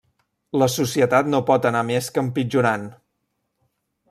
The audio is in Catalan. La societat no pot anar més que empitjorant.